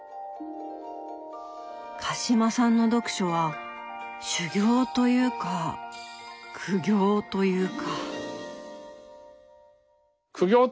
鹿島さんの読書は修行というか苦行というか。